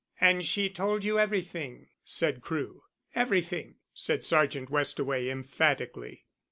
"And she told you everything," said Crewe. "Everything," said Sergeant Westaway emphatically.